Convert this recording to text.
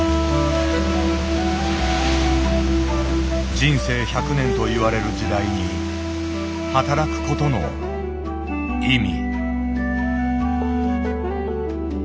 人生１００年といわれる時代に働くことの意味。